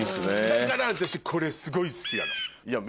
だから私これすごい好きなの。